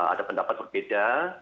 ada pendapat berbeda